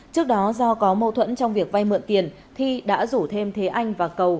trước đó do có mâu thuẫn trong việc vay mượn tiền thi đã rủ thêm thế anh và cầu